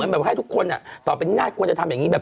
แบบให้ทุกคนต่อไปหน้ากลุ่มจะทำอย่างนี้